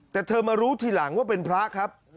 แต่เธอมารู้ทีหลังว่าเป็นพระครับ